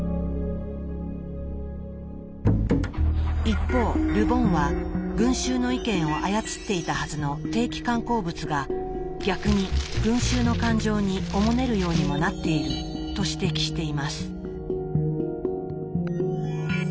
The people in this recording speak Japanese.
一方ル・ボンは群衆の意見を操っていたはずの定期刊行物が逆に群衆の感情におもねるようにもなっていると指摘しています。